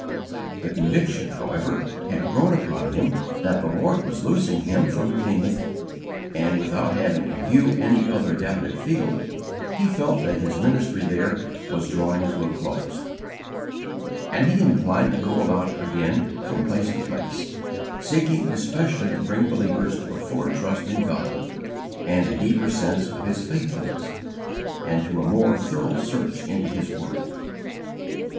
The conviction, however, had grown upon him that the Lord was loosing him from Teignmouth, and, without having in view any other definite field, he felt that his ministry there was drawing to a close; and he inclined to go about again from place to place, seeking especially to bring believers to a fuller trust in God and a deeper sense of His faithfulness, and to a more thorough search into His word.